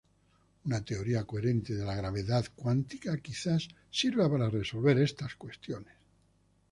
Una teoría coherente de la gravedad cuántica quizás sirva para resolver estas cuestiones.